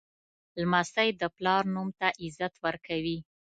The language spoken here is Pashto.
لمسی د پلار نوم ته عزت ورکوي.